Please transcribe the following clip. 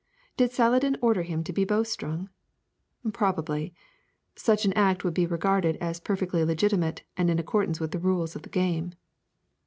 Did Saladin order him to be bowstrung? Probably. Such an act would be regarded as perfectly legitimate and in accordance with the rules of the game.